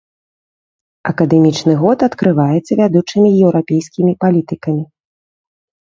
Акадэмічны год адкрываецца вядучымі еўрапейскімі палітыкамі.